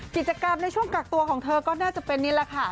กิจกรรมในช่วงกักตัวของเธอก็น่าจะเป็นนี่แหละค่ะ